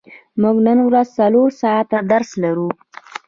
موږ نن ورځ څلور ساعته درس لرو.